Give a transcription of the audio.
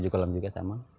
tujuh kolam juga sama